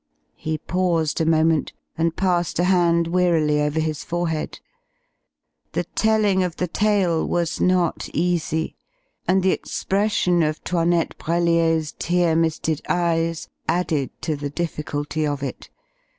He paused a moment and passed a hand wearily over his forehead. The telling of the tale was not easy, and the expression of 'Toinette Brellier's tear misted eyes added to the difficulty of it.